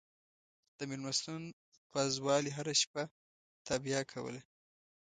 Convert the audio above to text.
د مېلمستون پازوالې هره شپه تابیا کوله.